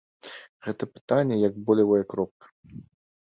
Гэтае пытанне як болевая кропка.